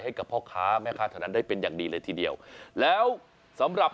ให้กับพ่อค้าแม่ค้าเท่านั้นได้เป็นอย่างดีเลยทีเดียวแล้วสำหรับ